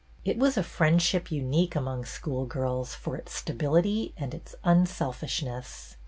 It was a friendship unique among schoolgirls for its stability and its unselfishness.